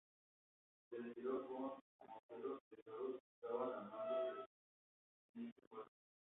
Se les tiró con morteros pesados que estaban al mando del subteniente Juárez.